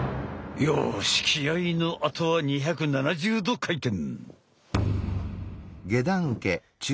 よし気合いのあとは２７０度回転。